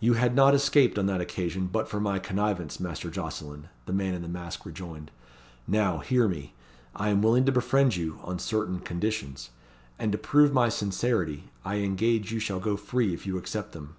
"You had not escaped on that occasion, but for my connivance, Master Jocelyn," the man in the mask rejoined. "Now, hear me. I am willing to befriend you on certain conditions; and, to prove my sincerity, I engage you shall go free if you accept them."